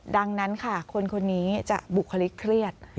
ดังนั้นค่ะคนคนนี้จะบุคลิกเครียด